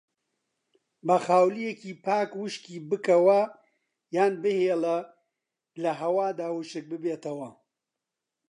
بە خاولیەکی پاک وشکی بکەوە یان بهێڵە لەهەوادا وشک ببێتەوە.